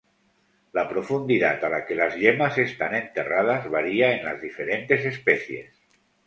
La profundidad a la que las yemas están enterradas varía en las diferentes especies.